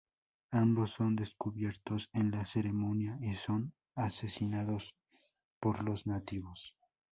Ambos son descubiertos en la ceremonia y son asesinados por los nativos.